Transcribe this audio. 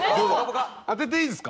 当てていいですか？